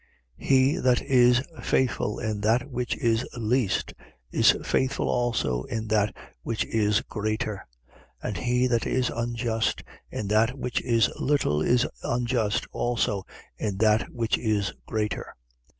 He that is faithful in that which is least is faithful also in that which is greater: and he that is unjust in that which is little is unjust also in that which is greater.